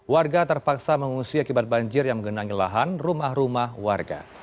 warga terpaksa mengungsi akibat banjir yang mengenangi lahan rumah rumah warga